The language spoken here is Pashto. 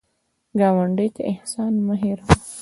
ګاونډي ته احسان مه هېر وهه